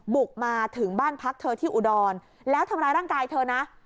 บุกมาถึงบ้านพักเธอที่อุดรแล้วทำร้ายร่างกายเธอนะ